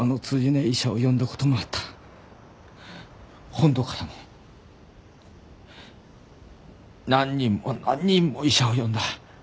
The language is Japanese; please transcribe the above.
本土からも何人も何人も医者を呼んだ。